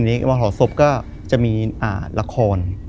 คือก่อนอื่นพี่แจ็คผมได้ตั้งชื่อเอาไว้ชื่อเอาไว้ชื่อเอาไว้ชื่อ